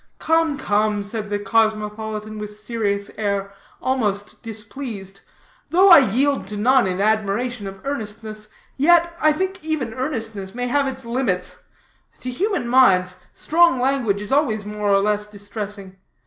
"Come, come," said the cosmopolitan with serious air, almost displeased; "though I yield to none in admiration of earnestness, yet, I think, even earnestness may have limits. To human minds, strong language is always more or less distressing.